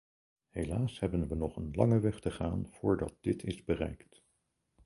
Helaas hebben we nog een lange weg te gaan voordat dit is bereikt.